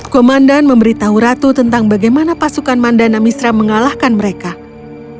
komandan memberitahu ratu tentang bagaimana pasukan mandana misra mengalahkan mereka